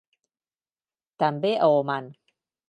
També a Oman.